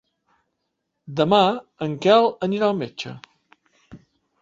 Demà en Quel anirà al metge.